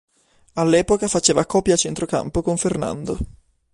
All'epoca faceva copia a centrocampo con Fernando.